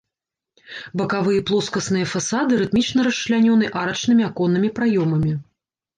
Бакавыя плоскасныя фасады рытмічна расчлянёны арачнымі аконнымі праёмамі.